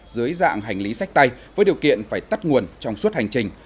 dưới dạng hành lý sách tay với điều kiện phải tắt nguồn trong suốt hành trình